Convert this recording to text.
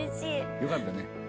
よかったね。